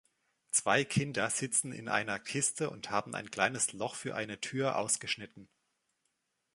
Zwei Kinder sitzen in einer Kiste und haben ein kleines Loch für eine Tür ausgeschnitten.